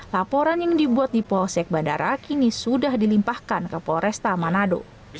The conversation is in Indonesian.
laporan yang dibuat di polsek bandara kini sudah dilimpahkan ke polresta manado